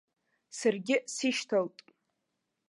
Саргьы сишьҭалт.